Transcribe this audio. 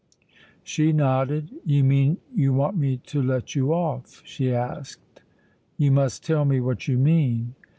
She nodded. "You mean you want me to let you off?" she asked. "You must tell me what you mean."